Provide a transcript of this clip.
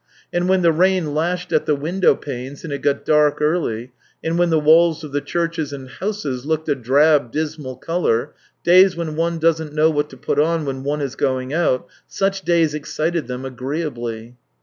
And when the rain lashed at the window panes and it got dark early, and when the walls of the churches and houses looked a drab, dismal colour, days when one doesn't know what to put on when one is going out — such days excited them agreeably.